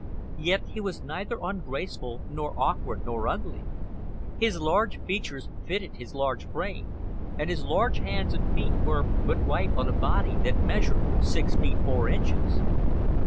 Yet he was neither ungraceful, nor awkward, nor ugly. His large features fitted his large frame, and his large hands and feet were but right on a body that measured six feet four inches.